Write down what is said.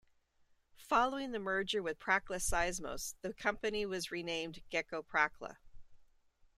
Following the merger with Prakla-Seismos the company was renamed Geco-Prakla.